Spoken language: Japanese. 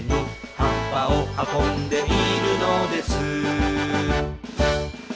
「葉っぱを運んでいるのです」